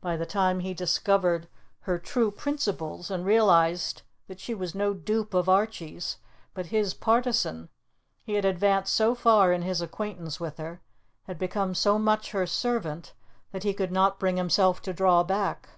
By the time he discovered her true principles, and realized that she was no dupe of Archie's, but his partisan, he had advanced so far in his acquaintance with her, had become so much her servant, that he could not bring himself to draw back.